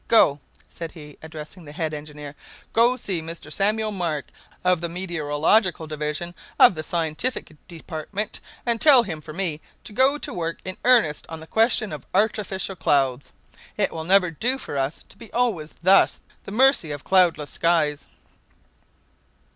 Go," said he, addressing the head engineer, "go see Mr. Samuel Mark, of the meteorological division of the scientific department, and tell him for me to go to work in earnest on the question of artificial clouds. It will never do for us to be always thus at the mercy of cloudless skies!"